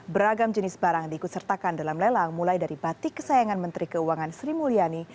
beragam jenis barang diikut sertakan dalam lelang mulai dari batik kesayangan menteri keuangan sri mulyani